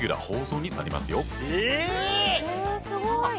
えすごい！